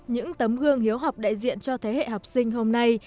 những tấm gương hiếu học đại diện cho thế hệ học sinh hôm nay